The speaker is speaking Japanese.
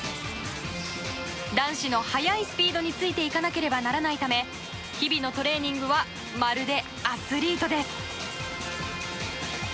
男子の速いスピードについていかなければならないため日々のトレーニングはまるでアスリートです。